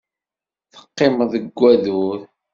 Teqqimeḍ deg wadur.